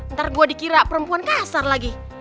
ntar gue dikira perempuan kasar lagi